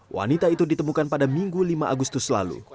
wanita itu ditemukan pada minggu lima agustus lalu